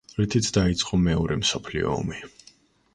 რითიც დაიწყო მეორე მსოფლიო ომი.